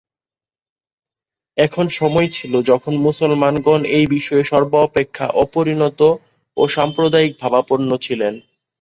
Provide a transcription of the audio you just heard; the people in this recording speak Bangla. এমন সময় ছিল, যখন মুসলমানগণ এই বিষয়ে সর্বাপেক্ষা অপরিণত ও সাম্প্রদায়িক-ভাবাপন্ন ছিলেন।